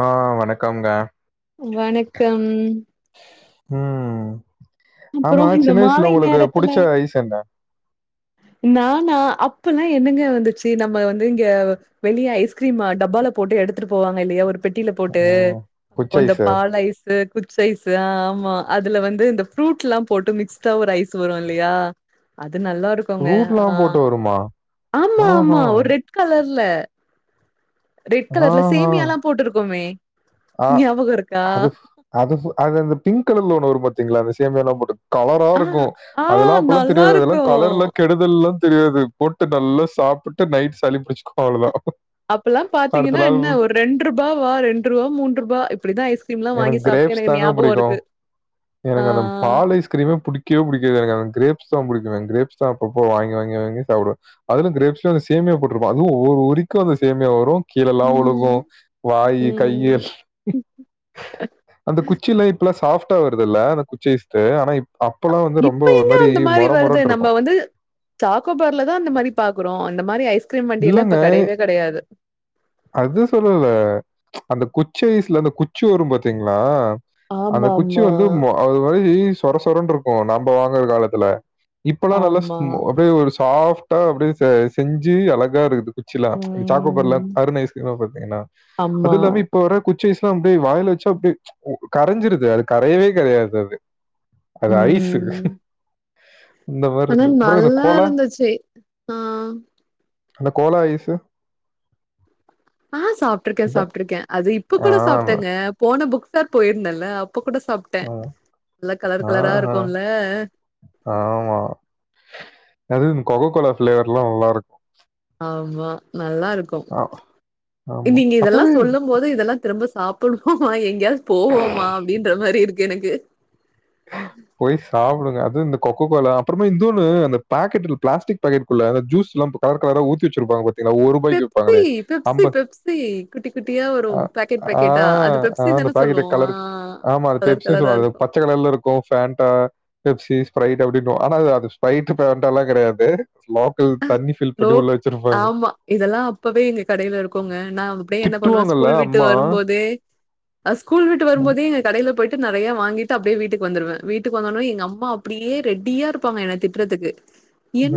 ஆ வணக்கம்ங்க வணக்கம் ம் அப்புறோ ஆமா இந்த சின்ன வயசுல மாலை உங்களுக்கு நேரத்துல புடிச்ச ஐஸ் என்ன நானா அப்பல்லா என்னங்க வந்துச்சு நம்ம வந்து இங்க வெளிய ஐஸ்கிரீம டப்பால போட்டு எடுத்துட்டு போவாங்க இல்லையா ஒரு பெட்டில போட்டு ம் புச்ச அந்த ஐஸு பால் ஐஸ் இது குச்சைஸ்சு அ ஆமா அதுல வந்து இந்த ஃப்ரூட்ல்லா போட்டு மிக்ஸ்டா ஒரு ஐஸ் வரு இல்லையா அது நல்லா இருக்குங்க ஃப்ரூட்லா ஆ போட்டு வருமா? ஆமா ஆஹா ஆமா ஒரு ரெட் கலர்ல ரெட் கலர்ல ஆஹா சேமியால்லா போட்டி இருக்கோமே ஆ அது அது அது அந்த பிங்க் கலர்ல ஒன்னு வரு பாத்தீங்களா அந்த சேமியாலா போட்டு கலரா ஆ இருக்கு ஆ அதெல்லா அப்பல்லா நல்லா தெரியாது அதல்லா இருக்கு கலர்ல்லா கெடு தல்லா தெரியாது போட்டு நல்லா சாப்பிட்டு நைட் சளி பிடிச்சுக்கு அவ்ளதா அப்பெல்லா பாத்தீங்கன்னா என்ன ஒரு ரெண்டு ரூபாவா ரெண்டு ரூவா மூன்றுபா இப்டிதா ஐஸ் எனக்கு கிரேப்ஸ் தாங்க பிடிக்கு ஆ. எனக்கு அந்த பால் ஐஸ் கிரீமே பிடிக்கவே புடிக்காது எனக்கு அந்த கிரேப்ஸ்தா பிடிக்கு கிரேப்ஸ்தா அப்பப்போ வாங்கி வாங்கி வாங்கி சாப்டுவே அதுல கிரேப்ஸ்ல சேமியா போட்ருக்கு அது ஒவ்வொரு உரிக்கும் அந்த சேமியா வரு கீழல்லா ஒழுகு ம். வாய் கை ம். அந்த குச்சில்லா இப்பல்லா சாஃப்டா வருதுல்ல அந்த குச்சிஐஸ்டு ஆனா அப்பல்லா வந்து ரொம்ப இப்ப ஒரு மாரி மொர மொரன்ருக்கு சாக்கோபார்லதா அந்த மாரி பாக்குறோ அந்த மாரி ஐஸ்கிரீம் வண்டியல்லா இல்லங்க. இப்ப கெடையவே கெடையாது அது சொல்லல அந்த குச்சைஸ்ல அந்த குச்சி வரும் பாத்தீங்களா அந்த குச்சி ஆமாமா. வந்து மொ அது ஒரு மாரி சொர சொரன்னு இருக்கு நம்ம வாங்குற காலத்துல இப்பல்லா நல்லா ஸ் ஆமா. அப்டியே ஒரு சாஃப்ட்டா அப்டியே செ செஞ்சு அழகா இருக்குது குச்சிலா சாக்கோபார்ல ம். அருண் ஐஸ்கிரீமா பாத்தீங்கன்னா அது ஆமா. எல்லாமே இப்ப வர குச்சி ஐஸ்லா அப்டே வாயில வச்சா அப்டே உ கரைஞ்சிருது அது கரையவே கரையாது அது அது ஐஸ்ஸு ம். ஆனா நல்லாருந்துச்சி ஆ அந்த கோலா ஐஸு ஆ சாப்ட்ருக்கே அதான். சாப்ட்ருக்கே அது இப்ப ஆ, கூட சாப்டேங்க போன புக் டார் போயிருந்தேல்ல அப்ப கூட சாப்ட்டே ஆ, நல்லா கலர் கலரா ஆஹா, இருக்குல்ல ஆமா அதுவு கொக்க கோலா ஃப்ளேவர்லா நல்லாருக் ஆமா நல்லாருக்கு ஆ, ஆமா. நீங்க இதெல்லா அப்பவே சொல்லும் போது இதலா திரும்ப சாப்புடுவோமா எங்கியாவது போவோமா அப்டின்ற மாரி இருக்கு எனக்கு உம் போய் சாப்டுங்க அது இந்த கொக்க கோலா அப்றமா இந்தோனு அந்த பேக்கெட்டில் பிாஸ்டிக் பாக்கெட்க்குள்ள அந்த ஜூஸ்லாம் போ கலர் கலரா ஊத்தி வச்சிருப்பாங்க பார் திங்ளா ஒருபாய்க்கு பெப்சி, விப்பாங்களே பெப்சி, அம்பத் பெப்சி குட்டி குட்டியா வரும் அ பாக்கெட் பாக்கெட்டா. அது ஆ ஆ பெப்சி அந்த தானே பாக்கெட்ட சொல்லுவோம். ஆ கலர் ஆமா அது கலர் பெப்சி கலரா சொல்வாங்கத இருக்கும். பச்ச கலர்ல இருக்கு ஃபேன்ட்டா பெப்சி ஸ்பைரைட் அப்டின்வோ ஆனா அது அது ஸ்பரைட்டு ஃபேன்டாலா கெடையாது லோக் தண்ணி ஃபில் லோ பண்ணி உள்ள வச் ஆமா இதெல்லா அப்பவே எங்க கடைல இருக்குங்க நா அப்டே என்ன பண்ணுவே திட்டுவாங்கல்ல ஸ்கூல் விட்டு அம்மா. வரும்போதே அ ஸ்கூல் விட்டு வரும்போதே எங்கக் கடைலப் போயிட்டு நெறயா வாங்கிட்டு அப்டே வீட்டுக் வந்துருவே வீட்டுக் வந்தோனே எங்க அம்மா அப்டியே ரெடியார்ப் ப்பாங்க என்ன திட்றதுக்கு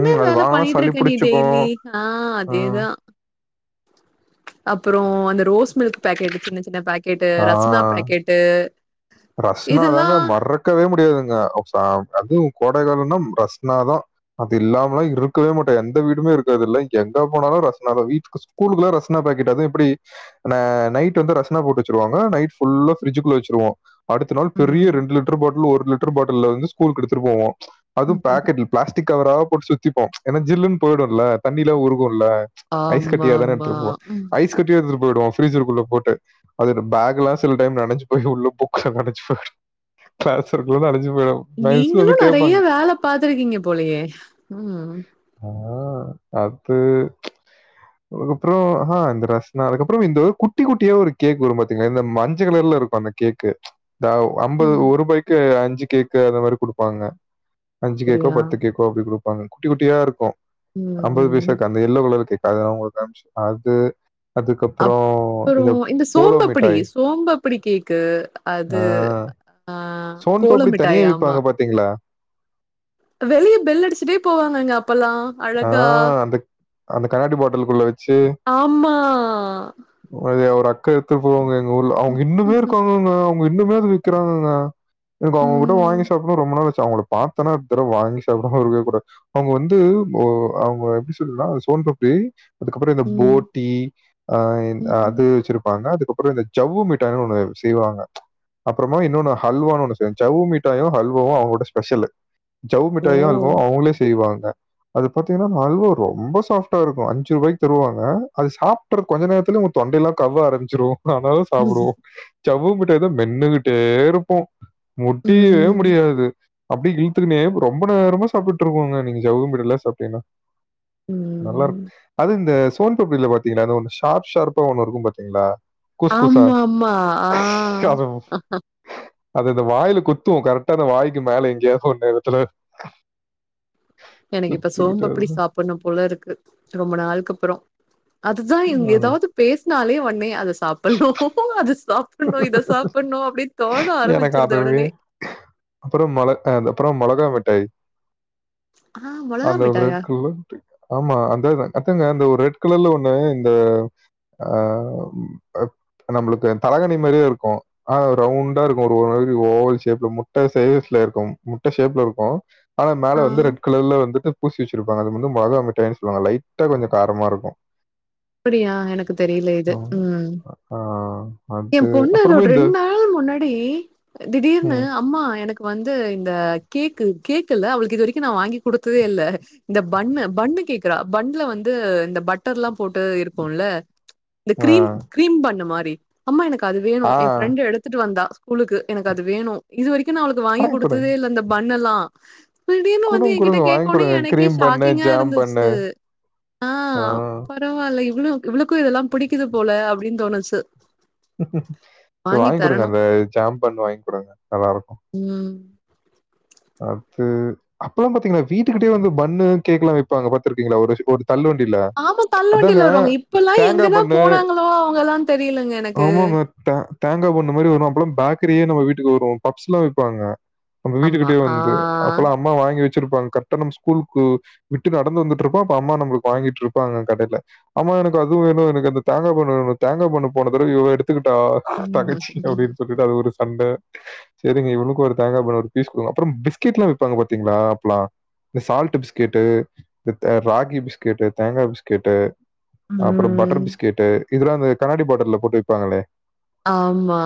ம் அது வாங்கனா சளி புடிச்சுக்கு ஆ ம் அப்பறோ அந்த ரோஸ் மில்க் பேக்கெட் சின்ன சின்ன பேக்கெட்டு ரஸ்னாப் ஆ. பேக்கெட்டு ரஸ்னா இதெல்லா தாங்க மறக்கவே முடியாதுங்க அப்சாம் அது கோடை காலனா ரஸ்னாதா அது இல்லாமலா இருக்கவே மூட்டே எந்த வீடுமே இருக்காது இல்ல எங்க போனாலு ரஸ்னாதா வீட்டுகுஸ் கூலுக்குலா ரஸ்னா பாக்கெட்டு அது எப்டி ந நைட் வந்து ரஸ்னா போட்டு வச்சிருவாங்க நைட் ஃபுல்லா ஃப்ரிட்ஜுகுள்ள வச்சிருவோ அடுத்த நாள் பெரிய ம் ரெண்டு லிட்ரு பாட்லு ஒரு லிட்ரு பாட்டில்ல வந்து ஸ்கூல்க்கு எடுத்துடு போவோ அதும் பேக்கெட்டில் பிளாஸ்டிக் கவரா போட்டு சுத்திப்போ ஏனா ஜில்லுன் போயிடுல்ல தண்ணில வுருகுல்ல ஐஸ் ஆமா கட்டியாதானே ஆமா எடுத்துருப்போ ம் ஐஸ் ஸ்கட்டியா எடுத்துடு போயிடுவோ ஃப்ரீசர்க்குள்ள போட்டு அதுல பேக்லா சில டைம் நெனஞ்சு போய் வுள்ள பு க நெனச்சு பாடு க்ளாஸ் இருக்குல நெனஞ்சு போயிடு நீங்கிளு நெறைய வேல பாத்துருக்கீங்க போலையே ம் ஆ அது ஒருப்றோ ஆ இந்த ரஸ்னா அதுக்கப்றோ இந்த குட்டி குட்டியா ஒரு கேக் வரும் பாத்தீங்ளா இந்த மஞ்ச கலர்லருக் பண்ண கேக்கு தாவ் அம்பது ம் ஒருபாய்க்கு அஞ்சு கேக்கு அந்த மாரி குடுப்பாங்க அஞ்சு கேக்கோ அப்படியா பத்து கேக் கோ அப்டி குடுப்பாங்க குட்டி குட்டியா இருக்கு ம் அம்பது ம் பைசா அந் த எல்லோ கலர் கேக்கு அது நா ஒங்குள்க்கு அம்ச்சு அது அதுக்கப்றோ இந்தப் போலோ மிட்டாய் சோம்பப்டி கேக்கு ஆ, அது ஆ போலோ மிட்டாய் ஆமா டிங்ளா வெளியே பெல் அடிச்சிட்டே போவாங்கங்க அப்பலா ஆ அந்தக் அந்த கண்ணாடி பாட்டில் குள்ள வச்சி ஆமா வதே ஒரு அக்கா எடுத்து போவங்க எங்க ஊர்ல அவுங்க ம் இன்னுமே இருக்காங்கங்க வுங்க இன்னுமே அது விக்கிறாங்கங்க எனக்கு அவுங்ககிட்ட ம் வாங்கி சாப்புனு ரொம்ப நாள் ஆச்சு அவுங்களப் பாத்தனா அடுத் தர்வ வாங்கி சாப்டாம இருக்வே கூடாது அவுங்க வந்து ஓ அவுங்க எப்டி சொல்லுனா சோன்பப்டி அதுக்கப்றோ இந்த ம் போட்டி அ இன் ம் அது வச்சிருப்பாங்க அதுக்கப்றோ இந்த ஜவ்வு மிட்டாய்ன்னு ஒண்ணு செய்வாங்க அப்றமா இன்னொன்னு ஹல்வான்னு ஒன்னு செ ஜவ்வு மிட்டாயு ஹல்வாவு அவுங்களோட ஸ்பெஷலு ஜவ்வு மிட்டாயு அல்வா ஓ அவுங்களே செய்வாங்க அது பாத்தீங்கன்னா மல்வா ரொம்ப ஸாஃப்டாருக்கு அஞ்சு ரூவாய்க்கு தருவாங்க அது சாப்புற கொஞ்ச நேரத்துலயே தொண்டயெல்லா கவ்வ ஆரம்பிச்சிரு நா ஆனால சாப்டுவோ ஜவ்வு மிட்டாய் தா மென்னுகிட்டே இருப்போ முடியவே ம் முடியாது அப்டி இழுத்துக்குனே ரொம்ப நேரமா சாப்புட்ருப்போங்க நீங்க ஜவ்வு மிட்டாய்ல்லா சாப்ட்டீங்கன்னா நல்லாரு ம் அது இந்த சோன் பப்பில பாத்தீங்லா அது ஒன்னு ஷார்ப் ஷார்ப்பா ஒன்னு இருக்கு பாத்தீங்களா ஆமாமா ஆ அது அது இந்த வாய்ல குத்து கரெக்டா இந்த வாய்க்கு மேல எங்கயாச்சு ஒன்னு எடத்துல எனக்கு இப்ப குத்திக்கிட்டு அது சோன்பப்டி சாப்புணு போல இருக்கு ரொம்ப நாள்க்கப்றோ அதுதா இவுங்க எதாவ்து பேசுனாலே ஒன்னே அத சாப்புண்ணு அது சா ப்புற்ணு இத ம். சாப்புற்ணு அப்டின் தோண ஆரம்பிச்சிருது ஒடனே அப்பறம் மொள அ அந்த அப்பறம் மொளகா மிட்டாய் ஆ மொளகா அந்த மிட்டாயா ரெட் கலர் மிட்டாய் ஆமா அதானு அதாங்க இந்த ஒரு ரெட் கலர்ல ஒண்ணு இந்த ஆ நம்ளுக்கு தலகாணி மாரியே இருக்கு ஆனா ரவுண்ட் டா இருக்கு ஒரு ஒரு மாரி ஓவல் ஷேப்ல முட்ட சைஸ்ல இருக்கு முட்ட ஷேப்ல இருக்கு ஆனா ஆ மேல வந்து ரெட்கலர்ல வந்துட்டு பூசி வச்சிருப்பாங்க அது வந்து மொளகா மிட்டாயின் சொல்லுவாங்க லைட்டா கொஞ்சோ காரமாருக்கு அப்டியா எனக்கு தெரில இது ஆமா. ம் ஆ எ அது பொண்ணு அப்புறமா [unintelligible] இந்த ரெண் நா ள் முன்னாடி திடீர்னு ம். அம்மா எனக்கு வந்து இந்த கேக்கு கேக்குல்ல அவளுக்கு இது வரைக்கு நா வாங்கி குடுத்ததே இல்ல இந்த பன்னு பன்னு கேக்குறா பன்ல வந்து இந்த பட்டர்ல்லா போட்டு இருக்குல இந்த ஆ. கிரீம் கிரீம் பன்னு மாரி அம்மா எனக்கு அது வேணு ஆ. எ ஃப்ரெண்டு எடுத்துட்டு வந்தா ஸ்கூலுக்கு எனக்கு அது வேணு இது வரைக்கு நா அவளுக்கு வாங்கி குடுத்ததே இல்ல இந்த பன்னெல்லா திடீர்னு வந்து குடுங்க, என்கிட்ட குடுங்க. வாங்கி கேக்கோனே குடுங்க. எனக்கே கிரீம் பன்னு, ஷாக்கிங்கா ஜாம் பன்னு. இருந்துச்சு ஆ ஆ. பரவால்ல இவ்ளு இவ்ளுக்கு இதெல்லா பிடிக்குது போல அப்டின் தோணுச்சு சே வாங்கி குடுங்க அந்த ஜாம் பன்னு வாய்ன் குடுங்க நல்லாருக்கு ம் ஓகே அப்பல்லா பாத்தீங்ன்னா வீட்டுக்கிட்டயே வந்து பன்னு கேக்கெல்லா விப்பாங்க பாத்துருக்கீங்களா ஒருஸ் ஒரு தள்ளு வண்டில ஆமா அதாங்க தள்ளுவண்டில வருவாங்க. இப்பல்லாம் தேங்கா எங்கதா பன்னு போனாங்களோ அவங்கல்லா தெரியலங்க எனக்கு. ஆமாங்க த தேங்கா பன்னு மாரி வரு அப்பல்லா பேக்கரியே நம்ம வீட்டுக்கு வரு பப்ஸ்ல்லா விப்பாங்க நம்ம வீட்டுகிட்ட ஆமா. ஆ. வந்து அப்பல்லா அம்மா வாங்கி வச்சிருப்பாங்க கர்ட்டா நம்ம ஸ்கூலுக்கு விட்டு நடந்து வந்துட்ருப்போ அப்ப அம்மா நம்ளுக்கு வாங்கிட்ருப்பாங்க கடைல அம்மா எனக்கு அது வேணு எனக்கு அந்த தேங்கா பன்னு வேணு தேங்கா பன்னு போன தடவ இவ எடுத்துக்கிட்டா தங்கச்சி அப்டின் சொல்லிட்டு அது ஒரு சண்ட செரிங்க இவனுக்கு ஒரு தேங்கா பன்னு ஒரு பீஸ் குடுங்க அப்றம் பிஸ்கெட்ல்லா விப்பாங்க பாத்தீங்களா அப்ல்லா இந்த சால்ட்டு பிஸ்கெட்டு இந்த த ராகி பிஸ்கெட்டு தேங்கா பிஸ்கெட்டு அப்றோ பட்டர் ம். பிஸ்கெட்டு இதெல்லா இந்த கண்ணாடி பாட்டுல்ல போட்டு விப்பாங்களே ஆமா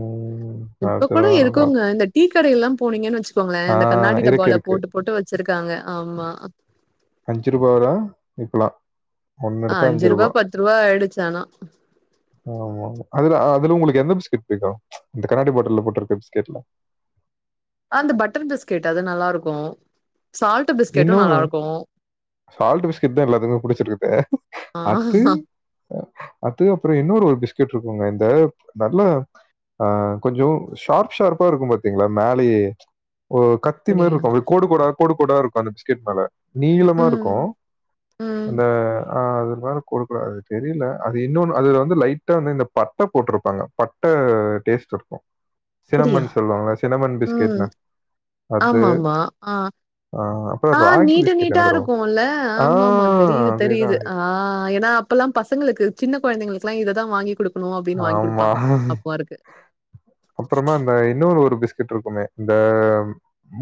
ம். இப்ப கூட அதுதான் இருக்குங்க நல்லாருக்கும். இந்த டீ கடைல்லா போனீங்கன் வச்சு கோங்ளே ஆ இந்த கண்ணாடி இருக்கு, டப்பால இருக்கு. போட்டு போட்டு வச்சிருக்காங்க ஆமா அஞ்சுரூபா தா இப்லா ஆ அஞ்சு ரூபா பத்து ரூபா ஆயிடுச்சு ஆனா ஆமா ஆமா அதுல அதுல உங்களுக்கு எந்த பிஸ்கெட் புடிக்கு இந்த கண்ணாடி பாட்டுல்ல போட்ருக்க பிஸ்கெட்ல அந்த பட்டர் பிஸ்கெட்டு அது நல்லாருக்கு சால்ட் இன்னு பிஸ்கெட்டும் நல்லாருக்கும். சால்ட் பிஸ்கட் தா எல்லாத்துக்குமே புடிச்சிருக்குது ஆ அத்து அது அப்பற இன்னொரு ஒரு பிஸ்கெட் இருக்குங்க இந்த நல்லா ஆ கொஞ்ச ஷார்ப் ஷார்ப்பா இருக்கு பாத்தீங்களா மேலயேஓ கத் கத்தி மாரி அப்படியா? இருக்கு இப்டி கோடு கோடா கோடு கோடா இருக்கு அந்த பிஸ்கெட் மேல நீளமா ம். இருக்கு ம். அந்த ஆ அது மாரி கொடுக்கடாது அது தெரியல அது இன்னொன்னு அதுல வந்து லைட்டா வந்து இந்த பட்ட போட்ருப்பாங்க பட்ட டேஸ்ட் இருக்கு அப்படியா ம் பிஸ்கட்ன்னு. ஆமாமா ஆ ஆ ஆ நீட்டு நீட்டா இருக்குல்ல ஆ ஆமா ஆமா தெரியுது தெரியுது அதேதான். ஆ ஏன்னா இப்பெல்லா பசங்களுக்கு சின்ன கொழந்தைகளுக்குல்லா இததா வாங்கி குடுக்கணு அப்டின்னு வாங்குடுப்பாங்க ஏன்னா அப்ப இருக்கு அப்பறமா இந்த இன்னொரு ஒரு பிஸ் பீட்ரூட்டு இருக்குமே இந்த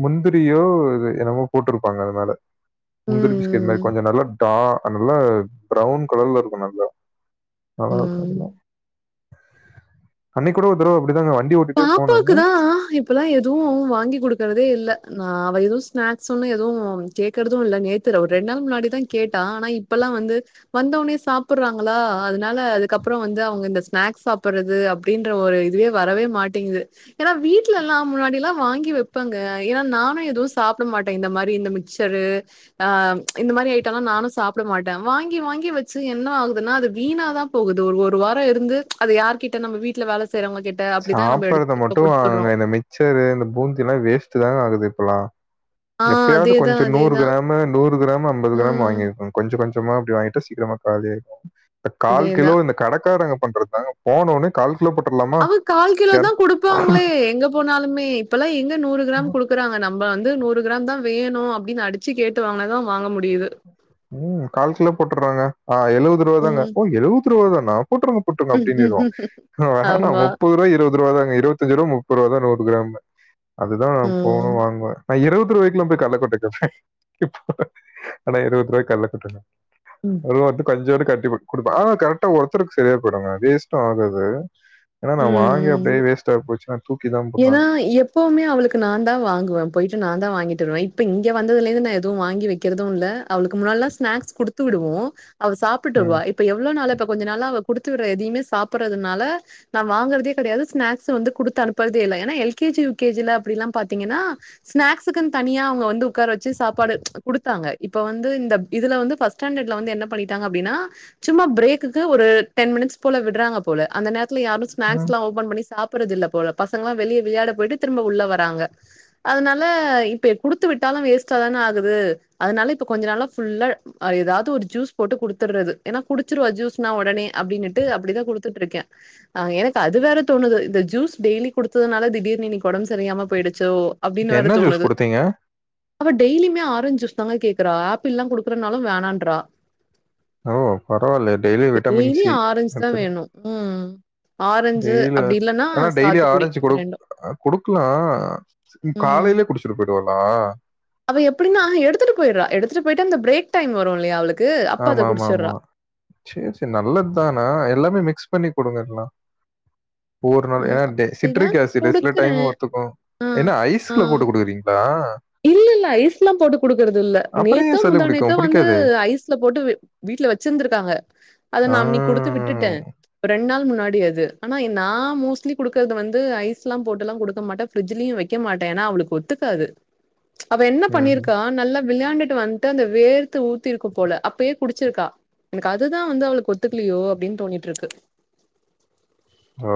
முந்திரியோ என்னமோ போட்ருப்பாங்க அதுமேல முந்திரி பிஸ்கெட் மாரி ம், கொஞ்ச நல்லா டா நல்லா ப்ரவ்ன் கலர்ல இருக்கு நல்லா ந ம், ம். இருக்க அன்னை கூட ஒரு தடவ அப்படிதாங்க வண்டி ஓட் பாப்பாக்குதா இப் இப்போல்லா எதுவு வாங்கி குடுக்குறதே இல்ல நா அவ எதுவு ஸ்நாக்ஸ்சுன்னு எதுவு கேக்குறது இல்ல நேத்து ஒரு ரெண்நாள் முன்னாடிதா கேட்டா ஆனா இப்பெல்லா வந்து வந்த ஒனே சாப்புறாங்களா அதனால அதுக்கப்பற வந்து அவங்க இந்த ஸ்நாக்ஸ் சாப்பறது அப் அப்படின்ற ஒரு இதுவே வரவே மாட்டேங்குது ஏன்னா வீட்லல்லா முன்னாடில்லா வாங்கி வைப்பாங்க ஏன்னா நானு எதுவு சாப்ட மாட்டே இந்த மாரி இந்த மிச் சரு ஆ இந்த மாரி ஐட்டல்லா நானு சாப்ட மாட்டே வாங்கி வாங்கி வச்சு என்ன ஆகுதுன்னா அது வீணாதா போகுது ஒரு ஒரு வார இருந்து அதது யார் கிட்ட நம்ம வீட்டுல வேல செய்யறவங்க கிட்ட அப்டிதா நம்ம எடுத்து சாப்பறத திரும்ப மட்டு குடுத்துடுறோ வாங்குங்க இந்த மிக்சரு இந்த பூந்தில்லா வேஸ்ட்டு தாங்க ஆகுது இப்பல்லா ஆ எப்பயாவது அதேதா கொஞ்ச நூறு அதேதா கிராம் நம்ம நூறு கிராம் அம்பது கிராம் ம் வாங்கிருக்கோ கொஞ்ச கொஞ்சமா அப்படி வாங்கிட்டு சீக்கிரமா காலியா இருக்கு இந்த கால் அதேதா கிலோ இந்த கடைக்காரங்க பண்றதுதாங்க போனோனே கால் கிலோ போட்டலாமா அவங் கால் கிலோ தா குடுப்பாங்களே எங்க போனாலுமே இப்பல்லா எங்க நூறு கிராம் குடு க்குறாங்க நம்ம வந்து நூறு கிராம் தா வேணு அப்டின்னு அடிச்சு கேட்டு வாாங்குனாதா வாங்க முடியுது ஊம் கால் கிலோ போட்டுறாங்க ஆ எழுபது ரூவா தாங்க ம் ஓ எழுபது ரூவா தானா போட்டுருங்க கூட்டுங்க அப்டின்னுருவ வேணா ஆமா முப்பது ரூவா இருவ முது ரூவா தாங்க இருவத்தஞ்சு ரூவா முப்பது ரூவா தா நூறு கிராம் அதுதா நா போகணு ம் வாங்குவே நா இருபது ரூபாய்க்குள்ளா போய் கள்ள கொட்டகவே இப்போ ஆனா இருவது ரூபாய்கு கள்ள கொட்ருங்க ம் அதுத்து கொஞ்சோடு கட்டி கொடுப்பா ஆ கரெக்டா ஒருத்தருக்கு சரியா போய்டுங்க வேஸ்ட்டு ஆகாது ஏன்னா நா வாங்க ம் அப்டியே வேஸ்ட்டா போச்சுன்னா தூக்கி தான் ஏன்னா போடுறாங்க. எப் எப்பவுமே அவளுக்கு நாந்தா வாங்குவே போயிட்டு நாந்தா வாங்கிட்டு வருவே இப்ப இங்க வந்ததுலேந்து நா எது வாங்கி வைக் கிறது இல்ல அவளுக்கு முன்னாலா ஸ்நாக்ஸ் குடுத்து விடுவோ அவ சாப்புட்டு ம். வருவா இப் இப்ப எவ்ளோ நாளா இப்ப கொஞ்ச நாளா அவ குடுத்து விடற எதையுமே சாப்பறதுனால நா வாங்குறதே கெடையாது ஸ்நாக்ஸ் வந்து குடுத்து அனுப்புறதே இல்ல ஏன்னா L K G U K ஜில அப்டில்லா பாத்தீங்கன்னா ஸ்நாக்ஸுக்குன் தனியா அவங்க வந்து உக்கார வச்சு சாப்பாடு குடுத்தாங்க இப்ப வந்து இந்த இதுல வந்து பஸ் ஸாண்டர்ட்ல வந்து என்ன பண்ணிட்டாங்க அப்டின்னா சும்மா பிரேக்குக்கு ஒரு டென் மினிட்ஸ் போல விடுறாங்க போல அந்த நேரத்துல யாரு ம். ஸ்நாக்ஸ்லா ஓபன் பண்ணி சாப்பட்றதில்ல போல பசங்கல்லா வெளிய விளையாட போயிட்டு திரும்ப உள்ள வராங்க அதனால இப்ப குடுத்து விட்டாலு வேஸ்ட்டாதான ஆகுது அதனால இப்ப கொஞ்ச நாளா ஃபுல்லா அ எதாது ஒரு ஜூஸ் போட்டு குடுத்தற்றது எனா குடிச்சுருவா ஜூஸ்னா உடனே அப்டினுட்டு அப்டிதா குடுத்துட்ருக்கே ஆ எனக்கு அது வேற தோணுது இந்த ஜூஸ் டெய்லி குடுத்ததுனால திடீர் இன்னிக் உடம் செரியாம போய்டுச்சோ அப்டினு வேற என்ன ஜூஸ் தோணுது குடுத்தீங்க? அவ டெய்லுமே ஆரஞ் ஜூஸ் தங்க கேக்குறா ஆப்பிள்லா குடுக்கறனாலு வேனான்றா ஓ பரவால்ல daily vitamin daily C orange தான் எடுத்துக்க வேணும். ம் ஆரஞ்சு அப்டி இல்லனா சாத்துக்குடி இது குடுக் குடுக்கலா ம். காலைலயே குடிச்சுட்டு பொய்ருவாலா அவ எப்பிடினா எடுத்துட்டு போய்ட்ற எடுத்துட்டு போயிட்டு அந்த பிரேக்டைம் வரு இல்லியா அவளுக் ஆமா ஆமா ஆமா சேரி சேரி நல்லத்தான எல்லாமே மிக்ஸ் பண்ணி குடுங்க இல்லனா ஒரு நாள் ம். எனா டே அப்டிதான் சிட்ரிக் அசிட் சில குடுக்குறேன். டைமு ஒத்துக்கு ஆ. என்ன ஆ. ஐஸ்ல போட்டு குடுக்குறீங்ளா இல்ல இல்ல ஐஸ்லா போட்டு குடுக்கறது இல்ல அப்புறம் நேத்தோ ஏன் சளி முந்தா நேத்தோ பிடிக்கும்? வந்து பிடிக்காதே! ஐஸ்ல போட்டு வீட்ல வெச்சிருந்துருக்காங்க அத ஆ. நா அன்னிக் குடுத்து விட்டுட்ட ரெண்டு நாள் முன்னாடி அது ஆனா நா மோஸ்ட்லி குடுக்கறது வந்து ஐஸ்லா போட்டுல்லா கொடுக்க மாட்ட ஃபிரிஜ்லியு வெக்க மாட்ட எனா அவளுக்கு ஒத்துக்காது அவ என்ன ம்ஹ்ம். பண்ணிருக்கா நல்லா விளையாண்டுட்டு வந்ட்டு அந்த வேர்த்து ஊத்திருக்கு போல அப்பயே குடிச்சிருக்கா எனக்கு அதுதா வந்து அவளுக்கு ஒத்துக்கலியோ அப்டின் தோணிட்ருக்கு ஓ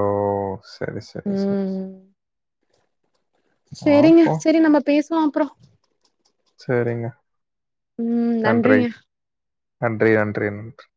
சேரி சேரி சேரி சேரி செரிங்க பாப்போம். செரி நம்ம பேசுலா அப்றோ செரிங்க ம் நன்றி நன்றிங்க நன்றி நன்றி நன்றி